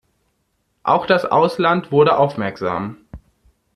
Auch das Ausland wurde aufmerksam.